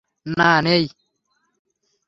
না, নেই।